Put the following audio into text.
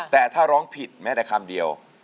แต่ถ้าร้องผิดแม้แต่คำเดียว